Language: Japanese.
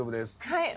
はい。